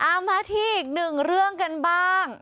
เอามาที่อีกหนึ่งเรื่องกันบ้าง